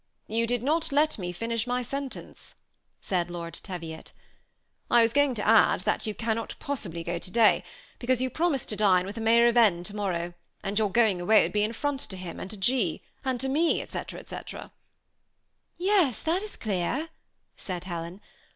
" You did not let me finish my sentence," said Lord Teviot. " I was going to add that yon cannot possibly go to day, because you promised to dine with the Mayor of N to morrow, and your going away would be an affront to him and to G. and to me," &c, &c "Yes, that is clear," said Helen.